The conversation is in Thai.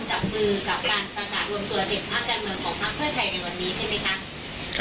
เจ็บพวกการเมืองของพักเพื่อใครในวันนี้ใช่ไหมคะ